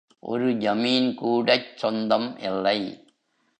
ஒரு ஜமீன்கூடச் சொந்தம் இல்லை.